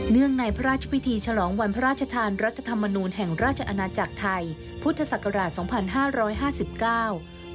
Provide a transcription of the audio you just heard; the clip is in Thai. เนื่องในพระราชพิธีฉลองวันพระราชทานรัฐธรรมนุนแห่งราชอาณาจักรไทยพุทธศักราช๒๕๕๙